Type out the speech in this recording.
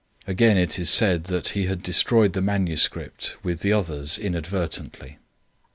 Again it is said that he had destroyed the manuscript with the others inadvertently.